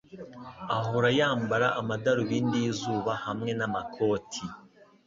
ahora yambara amadarubindi yizuba hamwe namakoti.